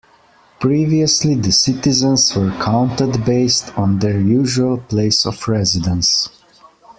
Previously, the citizens were counted based on their usual place of residence.